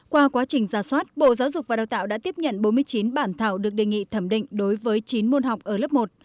qua quá trình ra soát bộ giáo dục và đào tạo đã tiếp nhận bốn mươi chín bản thảo được đề nghị thẩm định đối với chín môn học ở lớp một